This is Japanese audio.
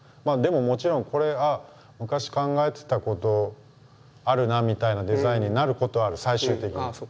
でももちろんこれ昔考えてたことあるなみたいなデザインになることはある最終的に。